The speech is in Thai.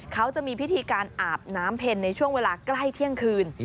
เขาจะมีพิธีการอาบน้ำเพ็ญในช่วงเวลาใกล้เที่ยงคืน